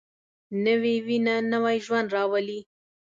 نوې وینه نوی ژوند راولي